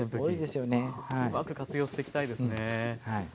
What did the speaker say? うまく活用していきたいですね。